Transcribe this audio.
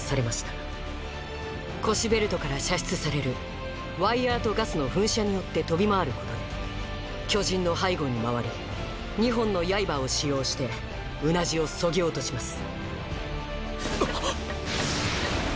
腰ベルトから射出されるワイヤーとガスの噴射によって飛び回ることで巨人の背後に回り２本の刃を使用してうなじを削ぎ落としますはっ！